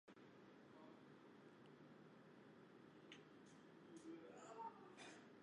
ترکی کے بعد یہ قافلہ بکھر گیا